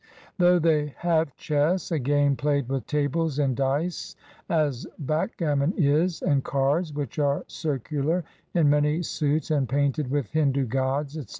Though they have chess, a game played with tables and dice as backgammon is, and cards (which are cir cular, in many suits, and painted with Hindu gods, etc.